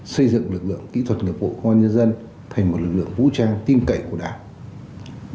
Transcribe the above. xây dựng lực lượng kỹ thuật nghiệp vụ công an nhân dân thành một lực lượng vũ trang tin cậy của đảng